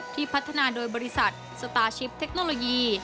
พัฒนาโดยบริษัทสตาร์ชิปเทคโนโลยี